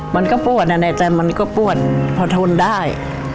มันก็ปวดในใจมันก็ปวดพอทนได้